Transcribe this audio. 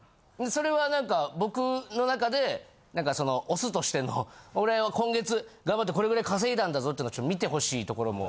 それはなんか僕の中でなんかその雄としての俺は今月頑張ってこれぐらい稼いだんだぞっての見てほしいところも。